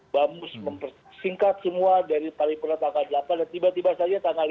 bamus mempersingkat semua dari paripurna tanggal delapan dan tiba tiba saja tanggal lima belas